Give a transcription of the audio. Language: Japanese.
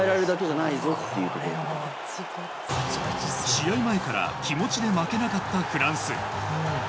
試合前から気持ちで負けなかったフランス。